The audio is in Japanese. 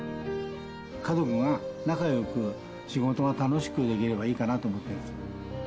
家族が仲良く仕事が楽しくできればいいかなと思ってるんです。